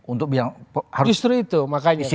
untuk bilang harus istri nya harus mental harus kuat